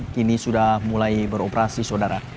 kini sudah mulai beroperasi saudara